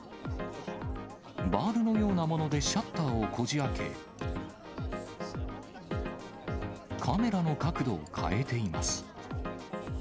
バールのようなものでシャッターをこじあけ、カメラの角度を変えています。